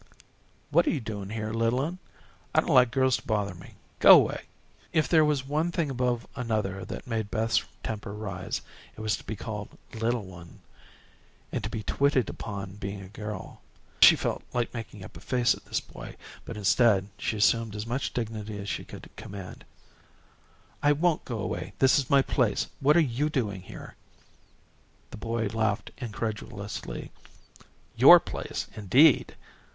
"What are you doing here, little un? I don't like girls to bother me. Go away." If there was one thing above another that made Beth's temper rise, it was to be called "little one," and to be twitted upon being a girl. She felt like making up a face at this boy, but, instead, she assumed as much dignity as she could command. "I won't go away. This is my place. What are you doing here?" The boy laughed incredulously. "Your place, indeed.